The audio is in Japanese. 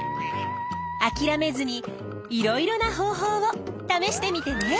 あきらめずにいろいろな方法を試してみてね。